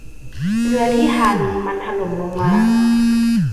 เรือที่ฮัลล์มันถล่มลงมา